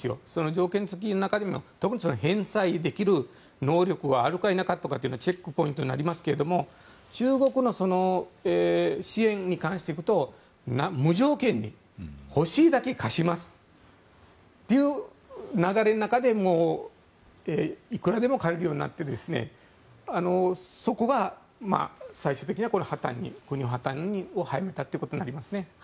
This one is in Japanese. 条件付きの中でも返済できる能力があるか否かというのはチェックポイントになりますが中国の支援に関して言うと無条件に欲しいだけ貸しますという流れの中でいくらでも借りるようになってそこが最終的な国の破たんを早めたということになりますね。